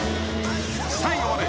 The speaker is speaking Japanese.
［最後まで］